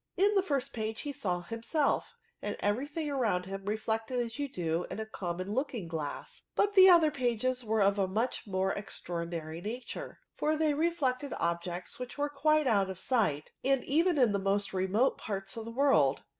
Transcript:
In the first page he saw himself and every thing around him reflected as you do in a common looking glass ; but the other pages were of a much more extraordinary nature, for they reflected objects which were quite out of sight, and even in the most remote parts of the world.